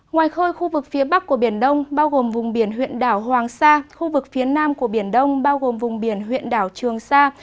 ngoài khơi khu vực phía bắc của biển đông bao gồm vùng biển huyện đảo hoàng sa khu vực phía nam của biển đông bao gồm vùng biển huyện đảo trường sa